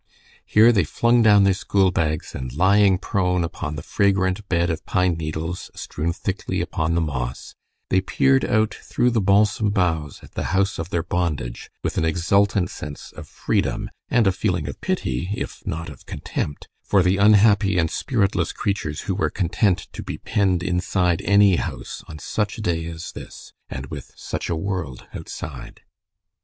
Here they flung down their schoolbags, and lying prone upon the fragrant bed of pine needles strewn thickly upon the moss, they peered out through the balsam boughs at the house of their bondage with an exultant sense of freedom and a feeling of pity, if not of contempt, for the unhappy and spiritless creatures who were content to be penned inside any house on such a day as this, and with such a world outside.